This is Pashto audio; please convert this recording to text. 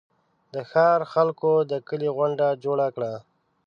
د ښار خلکو د کلي غونډه جوړه کړه.